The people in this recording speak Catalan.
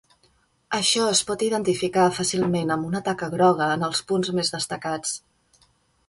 Això es pot identificar fàcilment amb una taca groga en els punts més destacats.